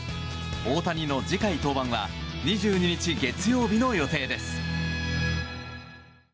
大谷の次回登板は２２日月曜日の予定です。